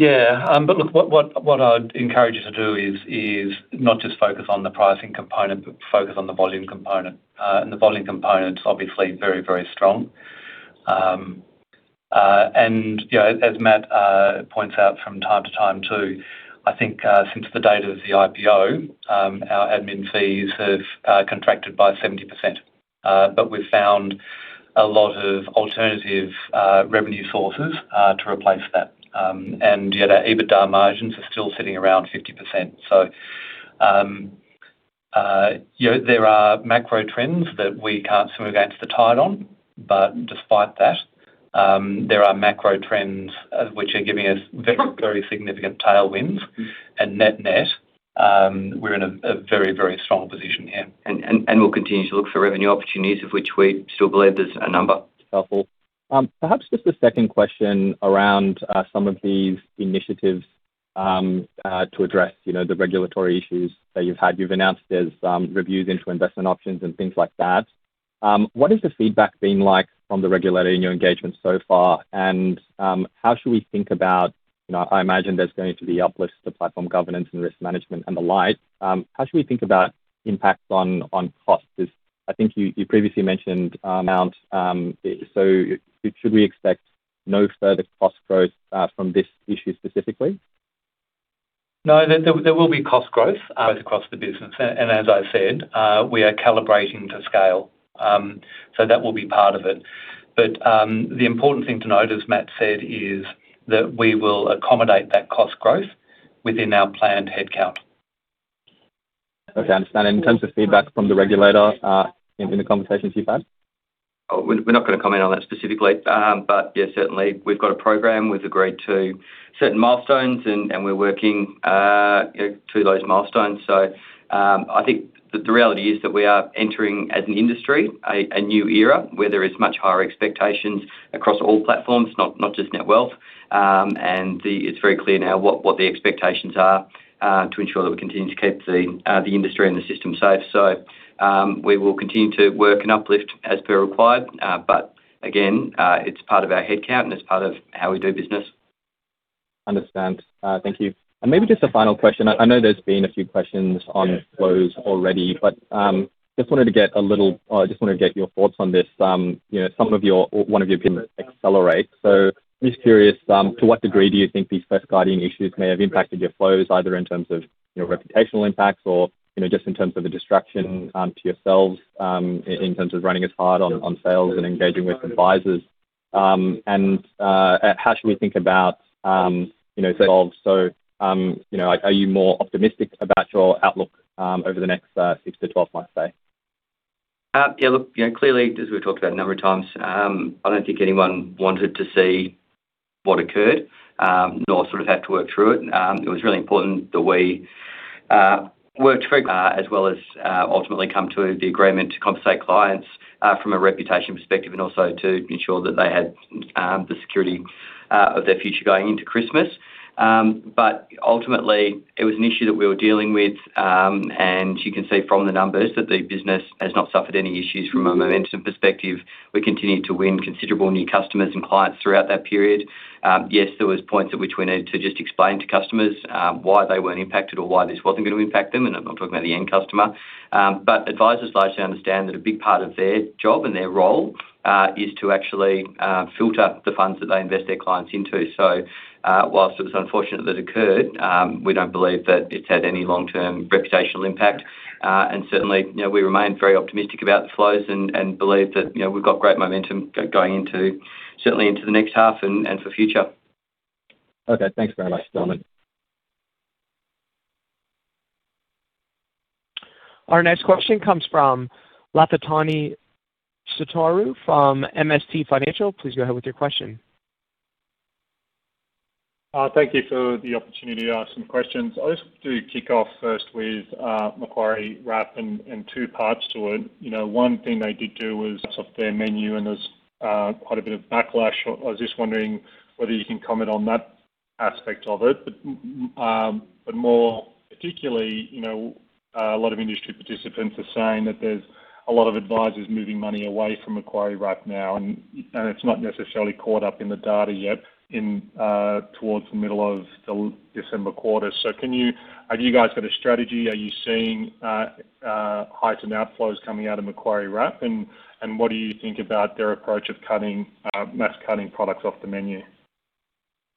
Yeah, but look, what I'd encourage you to do is not just focus on the pricing component, but focus on the volume component. And the volume component is obviously very, very strong. And, you know, as Matt points out from time to time, too, I think, since the date of the IPO, our admin fees have contracted by 70%. But we've found a lot of alternative revenue sources to replace that. And, you know, the EBITDA margins are still sitting around 50%. So, you know, there are macro trends that we can't swim against the tide on, but despite that, there are macro trends which are giving us very, very significant tailwinds. And net-net, we're in a very, very strong position here. We'll continue to look for revenue opportunities, of which we still believe there's a number. Helpful. Perhaps just a second question around some of these initiatives to address, you know, the regulatory issues that you've had. You've announced there's reviews into investment options and things like that. What has the feedback been like from the regulator in your engagement so far? And how should we think about you know, I imagine there's going to be uplifts to platform governance and risk management and the like. How should we think about impacts on costs? 'Cause I think you previously mentioned amount, so should we expect no further cost growth from this issue specifically? No, there will be cost growth across the business. And as I said, we are calibrating to scale. So that will be part of it. But the important thing to note, as Matt said, is that we will accommodate that cost growth within our planned headcount. Okay, understand. In terms of feedback from the regulator, in the conversations you've had? We're not gonna comment on that specifically. But yeah, certainly we've got a program, we've agreed to certain milestones, and we're working to those milestones. So, I think that the reality is that we are entering, as an industry, a new era, where there is much higher expectations across all platforms, not just Netwealth. And it's very clear now what the expectations are to ensure that we continue to keep the industry and the system safe. So, we will continue to work and uplift as per required. But again, it's part of our headcount, and it's part of how we do business. Understand. Thank you. And maybe just a final question. I know there's been a few questions on flows already, but just wanted to get a little, or I just wanted to get your thoughts on this. You know, some of your or one of your accelerate. So just curious to what degree do you think these First Guardian issues may have impacted your flows, either in terms of, you know, reputational impacts or, you know, just in terms of a distraction to yourselves, in terms of running as hard on sales and engaging with advisors? And how should we think about, you know, flows? So, you know, are you more optimistic about your outlook over the next 6-12 months, say? Yeah, look, you know, clearly, as we've talked about a number of times, I don't think anyone wanted to see what occurred, nor sort of had to work through it. It was really important that we worked very, as well as, ultimately come to the agreement to compensate clients, from a reputation perspective, and also to ensure that they had the security of their future going into Christmas. But ultimately, it was an issue that we were dealing with, and you can see from the numbers that the business has not suffered any issues from a momentum perspective. We continued to win considerable new customers and clients throughout that period. Yes, there were points at which we needed to just explain to customers why they weren't impacted or why this wasn't gonna impact them, and I'm talking about the end customer. But advisors largely understand that a big part of their job and their role is to actually filter the funds that they invest their clients into. So, whilst it was unfortunate that it occurred, we don't believe that it's had any long-term reputational impact. And certainly, you know, we remain very optimistic about the flows and believe that, you know, we've got great momentum going into, certainly into the next half and for the future. Okay. Thanks very much, Norman. Our next question comes from Lafitani Sotiriou from MST Financial. Please go ahead with your question. Thank you for the opportunity to ask some questions. I'll just to kick off first with Macquarie Wrap and two parts to it. You know, one thing they did do was off their menu, and there's quite a bit of backlash. I was just wondering whether you can comment on that aspect of it. But, but more particularly, you know, a lot of industry participants are saying that there's a lot of advisors moving money away from Macquarie Wrap now, and it's not necessarily caught up in the data yet in towards the middle of the December quarter. So, have you guys got a strategy? Are you seeing heightened outflows coming out of Macquarie Wrap? And what do you think about their approach of cutting mass cutting products off the menu?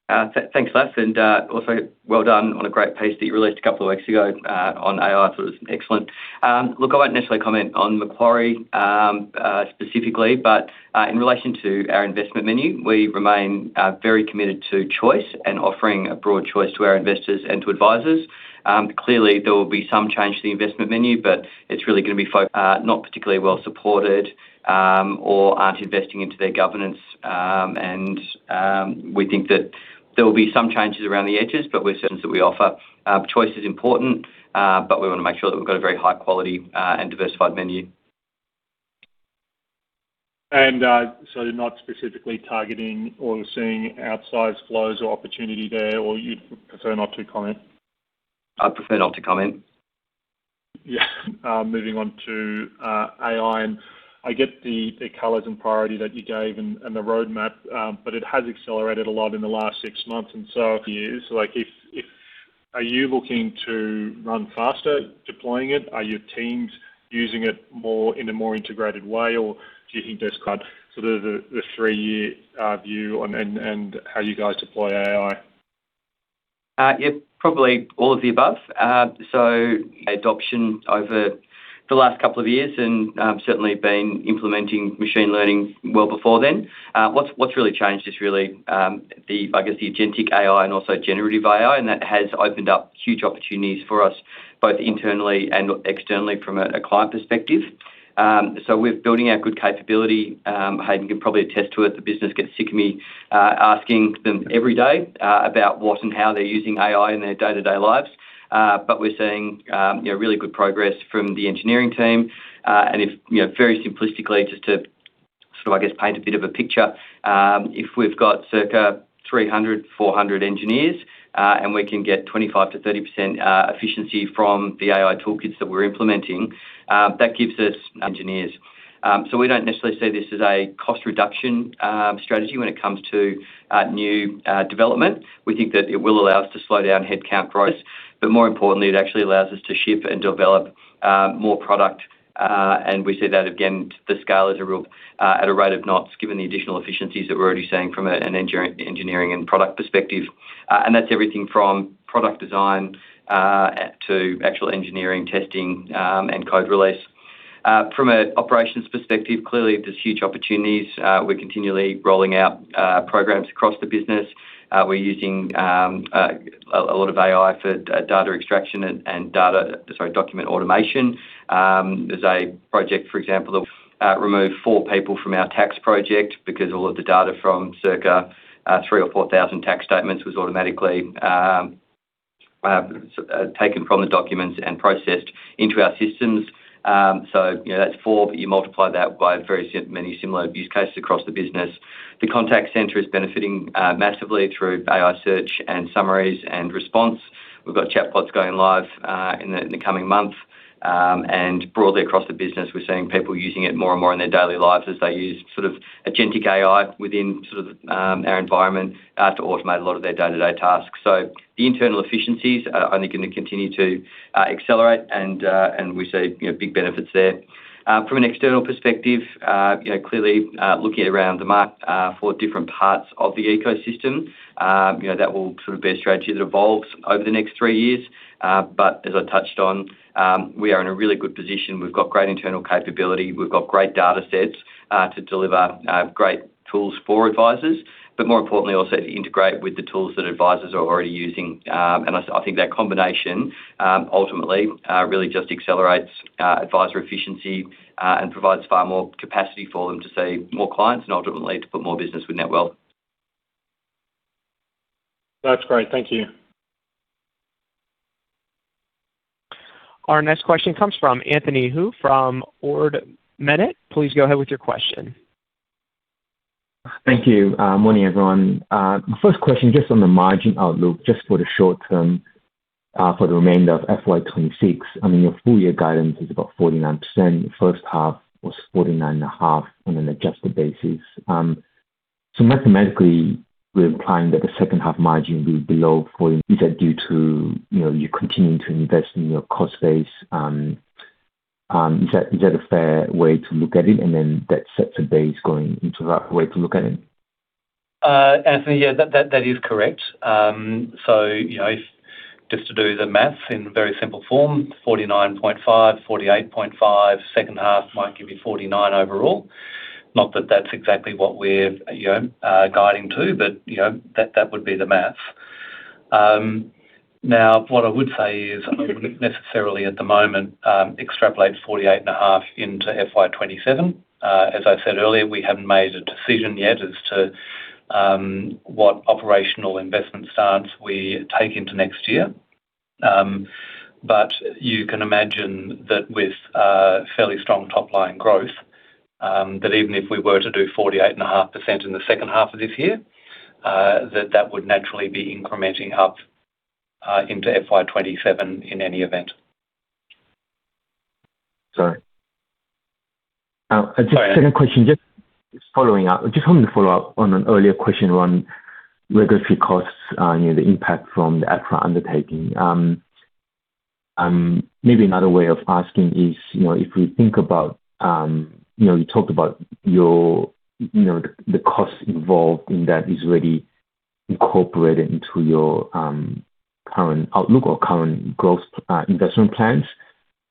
Thanks, Lat, and also well done on a great piece that you released a couple of weeks ago on AI. So it was excellent. Look, I won't necessarily comment on Macquarie specifically, but in relation to our investment menu, we remain very committed to choice and offering a broad choice to our investors and to advisors. Clearly, there will be some change to the investment menu, but it's really gonna be fo- not particularly well supported or aren't investing into their governance. And we think that there will be some changes around the edges, but we're certain that we offer. Choice is important, but we wanna make sure that we've got a very high quality and diversified menu. And, so you're not specifically targeting or seeing outsized flows or opportunity there, or you'd prefer not to comment? I'd prefer not to comment. Yeah. Moving on to AI, and I get the colors and priority that you gave and the roadmap, but it has accelerated a lot in the last six months and so a few years. So like, if-- are you looking to run faster, deploying it? Are your teams using it more in a more integrated way, or do you think there's quite sort of the three-year view on and how you guys deploy AI? Yeah, probably all of the above. So adoption over the last couple of years and certainly been implementing Machine Learning well before then. What's really changed is really, I guess, the Agentic AI and also Generative AI, and that has opened up huge opportunities for us, both internally and externally from a client perspective. So we're building our good capability. Hayden can probably attest to it. The business gets sick of me asking them every day about what and how they're using AI in their day-to-day lives. But we're seeing, you know, really good progress from the engineering team. And if, you know, very simplistically, just to sort of, I guess, paint a bit of a picture, if we've got circa 300-400 engineers, and we can get 25%-30% efficiency from the AI toolkits that we're implementing, that gives us engineers. So we don't necessarily see this as a cost reduction strategy when it comes to new development. We think that it will allow us to slow down headcount growth, but more importantly, it actually allows us to ship and develop more product. And we see that, again, the scale is real at a rate of knots, given the additional efficiencies that we're already seeing from an engineering and product perspective. And that's everything from product design to actual engineering, testing, and code release. From an operations perspective, clearly, there's huge opportunities. We're continually rolling out programs across the business. We're using a lot of AI for data extraction and data. Sorry, document automation. There's a project, for example, that removed four people from our tax project because all of the data from circa 3,000 or 4,000 tax statements was automatically taken from the documents and processed into our systems. So you know, that's four, but you multiply that by very many similar use cases across the business. The contact center is benefiting massively through AI search and summaries and response. We've got chatbots going live in the coming months. And broadly across the business, we're seeing people using it more and more in their daily lives as they use sort of Agentic AI within sort of, our environment, to automate a lot of their day-to-day tasks. So the internal efficiencies are only gonna continue to, accelerate, and, and we see, you know, big benefits there. From an external perspective, you know, clearly, looking around the market, for different parts of the ecosystem, you know, that will sort of be a strategy that evolves over the next three years. But as I touched on, we are in a really good position. We've got great internal capability. We've got great data sets, to deliver, great tools for advisors, but more importantly, also to integrate with the tools that advisors are already using. And I think that combination ultimately really just accelerates advisor efficiency and provides far more capacity for them to see more clients and ultimately to put more business with Netwealth. That's great. Thank you. Our next question comes from Anthony Hoo from Ord Minnett. Please go ahead with your question. Thank you. Morning, everyone. My first question, just on the margin outlook, just for the short term, for the remainder of FY 2026. I mean, your full year guidance is about 49%. Your first half was 49.5 on an adjusted basis. So mathematically, we're implying that the second half margin will be below 40. Is that due to, you know, you continuing to invest in your cost base? Is that a fair way to look at it, and then that sets a base going into that way to look at it? Anthony, yeah, that is correct. So, you know, if just to do the math in very simple form, 49.5, 48.5, second half might give you 49 overall. Not that that's exactly what we're, you know, guiding to, but, you know, that would be the math. Now, what I would say is I wouldn't necessarily, at the moment, extrapolate 48.5 into FY 2027. As I said earlier, we haven't made a decision yet as to what operational investment stance we take into next year. But you can imagine that with fairly strong top-line growth, that even if we were to do 48.5% in the second half of this year, that that would naturally be incrementing up into FY 2027 in any event. Sorry. Go ahead. Just a second question, just following up. Just wanted to follow up on an earlier question around regulatory costs, you know, the impact from the APRA undertaking. Maybe another way of asking is, you know, if we think about, you know, you talked about your, you know, the costs involved in that is already incorporated into your current outlook or current growth, investment plans.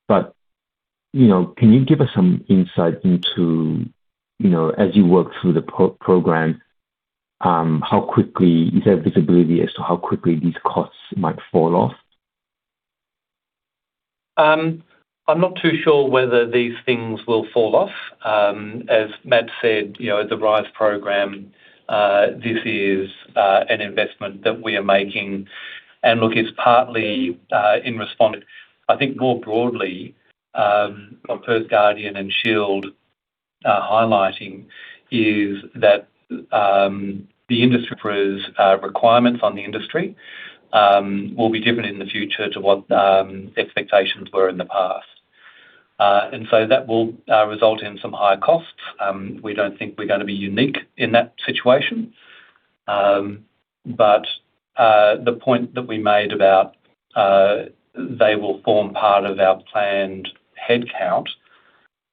But, you know, can you give us some insight into, you know, as you work through the program, how quickly, is there visibility as to how quickly these costs might fall off? I'm not too sure whether these things will fall off. As Matt said, you know, the Rise program, this is, an investment that we are making- And look, it's partly in responding. I think more broadly, what First Guardian and Shield are highlighting is that the industry's requirements on the industry will be different in the future to what expectations were in the past. And so that will result in some higher costs. We don't think we're gonna be unique in that situation. But the point that we made about they will form part of our planned headcount,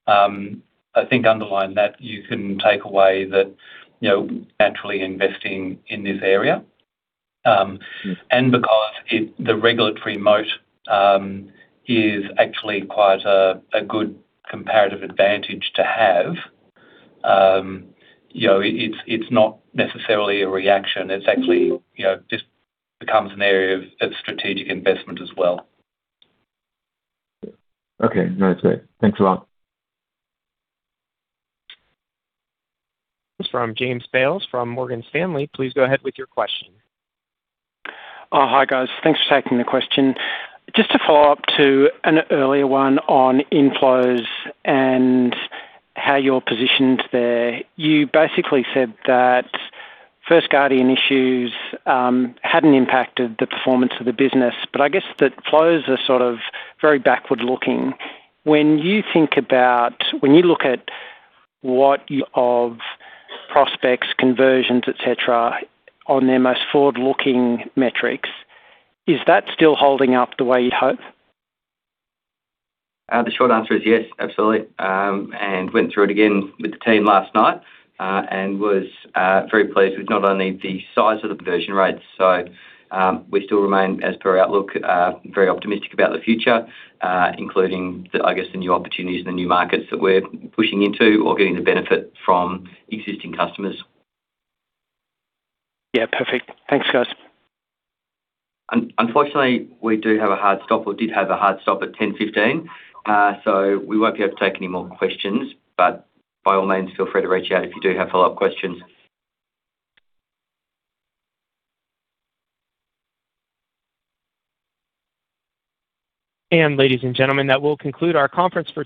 I think underline that you can take away that, you know, naturally investing in this area. And because it, the regulatory moat is actually quite a good comparative advantage to have, you know, it's not necessarily a reaction. It's actually, you know, just becomes an area of strategic investment as well. Okay, no, that's great. Thanks a lot. From James Bales from Morgan Stanley. Please go ahead with your question. Hi, guys. Thanks for taking the question. Just to follow up to an earlier one on inflows and how you're positioned there. You basically said that First Guardian issues hadn't impacted the performance of the business, but I guess that flows are sort of very backward-looking. When you look at what your prospects, conversions, et cetera, on their most forward-looking metrics, is that still holding up the way you'd hope? The short answer is yes, absolutely. And went through it again with the team last night, and was very pleased with not only the size of the conversion rates. So, we still remain, as per outlook, very optimistic about the future, including the, I guess, the new opportunities and the new markets that we're pushing into or getting the benefit from existing customers. Yeah, perfect. Thanks, guys. Unfortunately, we do have a hard stop, or did have a hard stop at 10:15. So we won't be able to take any more questions, but by all means, feel free to reach out if you do have follow-up questions. Ladies and gentlemen, that will conclude our conference call.